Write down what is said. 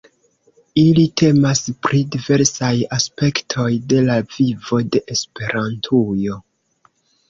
Ili temas pri diversaj aspektoj de la vivo de Esperantujo.